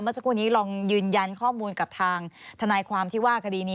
สักครู่นี้ลองยืนยันข้อมูลกับทางทนายความที่ว่าคดีนี้